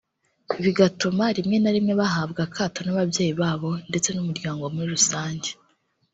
bigatuma rimwe na rimwe bahabwa akato n’ababyeyi babo ndetse n’umuryango muri rusange